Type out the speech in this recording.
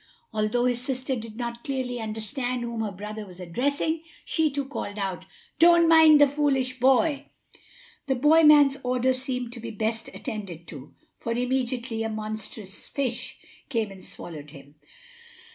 Although his sister did not clearly understand whom her brother was addressing, she too called out: "Don't mind the foolish boy!" The boy man's order seemed to be best attended to, for immediately a monstrous fish came and swallowed him.